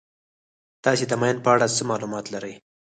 تاسې د ماین په اړه څه معلومات لرئ.